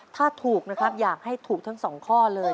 ถ้าถูกนะครับอยากให้ถูกทั้งสองข้อเลย